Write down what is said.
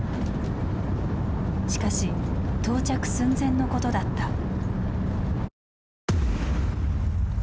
しかし到着寸前のことだった。